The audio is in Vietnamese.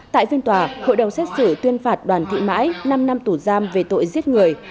tại phiên tòa hội đồng xét xử tuyên phạt đoàn thị mãi năm năm tù giam về tội giết người